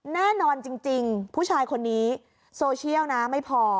แน่นอนจริงผู้ชายคนนี้โซเชียลนะไม่พอ